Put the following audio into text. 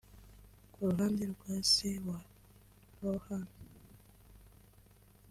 Ku ruhande rwa se wa Lohan